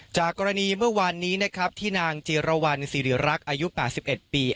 จากกรณีเมื่อวานนี้นะครับที่นางจีรวรรณสิริรักษ์อายุ๘๑ปี